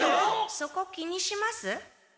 そこ気にします？